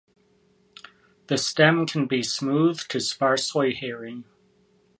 The stem can be smooth to sparsely hairy.